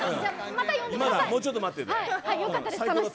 もうちょっと待ってて。